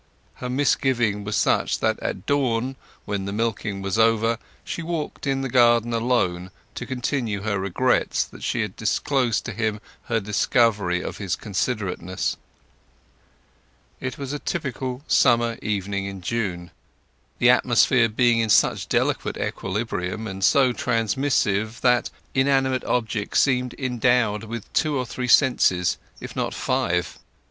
Her misgiving was such that at dusk, when the milking was over, she walked in the garden alone, to continue her regrets that she had disclosed to him her discovery of his considerateness. It was a typical summer evening in June, the atmosphere being in such delicate equilibrium and so transmissive that inanimate objects seemed endowed with two or three senses, if not five.